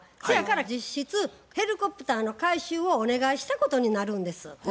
そやから実質ヘリコプターの回収をお願いしたことになるんです。